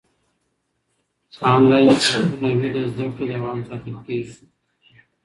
که انلاین صنفونه وي، د زده کړې دوام ساتل کېږي.